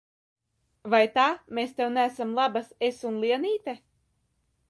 Vai ta mēs tev neesam labas, es un Lienīte?